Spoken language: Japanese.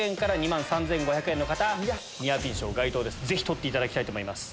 ぜひ取っていただきたいと思います。